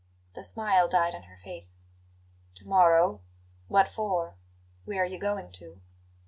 The smile died on her face. "To morrow! What for? Where are you going to?"